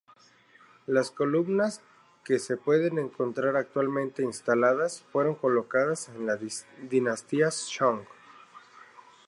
Las columnas que se pueden encontrar actualmente instaladas fueron colocadas en la dinastía Song.